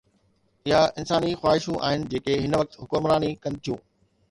اها انساني خواهشون آهن جيڪي هن وقت حڪمراني ڪن ٿيون.